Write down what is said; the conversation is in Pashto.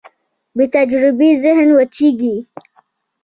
بېتجربې ذهن وچېږي.